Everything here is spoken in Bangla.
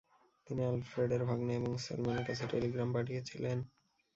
তিনি আলফ্রেডের ভাগ্নে এবং সোলম্যানের কাছে টেলিগ্রাম পাঠিয়েছিলেন।